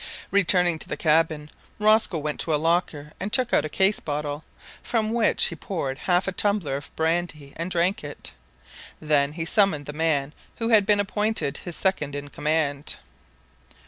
Returning to the cabin, Rosco went to a locker and took out a case bottle, from which he poured half a tumbler of brandy and drank it. Then he summoned the man who had been appointed his second in command.